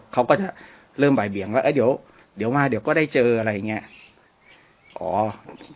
เขาก็จะเริ่มบ่ายเบียงว่าเออเดี๋ยวมาเดี๋ยวก็ได้เจออะไรอย่างนี้